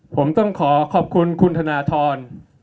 ผมต้องขอขอบคุณคุณธนทร